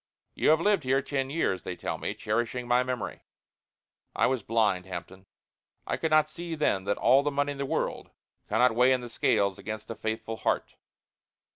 You have lived here ten years, they tell me, cherishing my memory! I was blind, Hampton. I could not see then that all the money in the world cannot weigh in the scales against a faithful heart.